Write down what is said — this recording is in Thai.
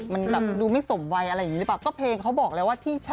ไม่อันนี้ไม่แรงค่ะใช่